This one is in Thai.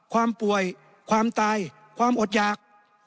ความป่วยความตายความอดหยาก